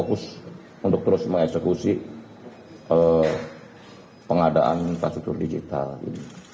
untuk terus mengeksekusi pengadaan konstruktur digital ini